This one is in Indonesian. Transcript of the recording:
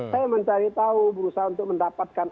saya mencari tahu berusaha untuk mendapatkan